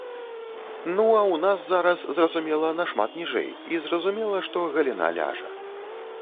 Ну, а ў нас зараз, зразумела, нашмат ніжэй і, зразумела, што галіна ляжа.